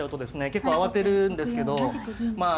結構慌てるんですけどまあ